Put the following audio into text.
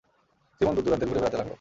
Simon দূর-দূরান্তে ঘুরে বেড়াতে লাগলো।